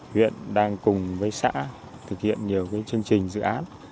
huyện đang cùng với xã thực hiện nhiều chương trình dự án